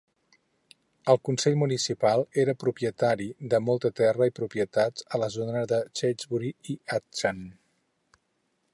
El consell municipal era propietari de molta terra i propietats a la zona de Shrewsbury i Atcham.